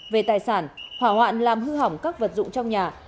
về tài sản hỏa hoạn làm hư hỏng các vật dụng trong nhà